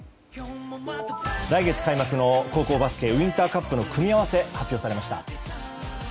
来月開幕の高校バスケウインターカップの組み合わせが発表されました。